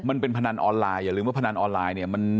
มันเป็นพนันออนไลน์อย่าลืมว่าพนันออนไลน์เนี่ย